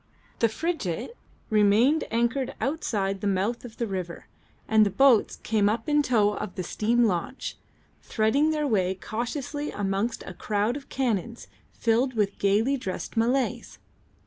The frigate remained anchored outside the mouth of the river, and the boats came up in tow of the steam launch, threading their way cautiously amongst a crowd of canoes filled with gaily dressed Malays.